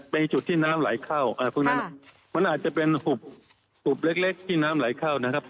เป็นจุดที่น้ำไหลเข้าพวกนั้นมันอาจจะเป็นหุบเล็กที่น้ำไหลเข้านะครับ